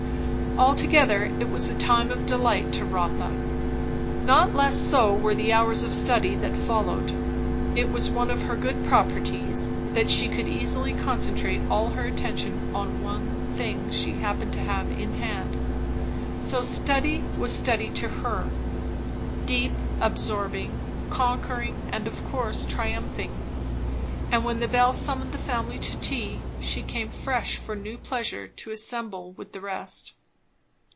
Altogether, it was a time of delight to Rotha. Not less so were the hours of study that followed. It was one of her good properties, that she could easily concentrate all her attention on the one thing she happened to have in hand. So study was study to her; deep, absorbing, conquering, and of course triumphing. And when the bell summoned the family to tea, she came fresh for new pleasure to assemble with the rest.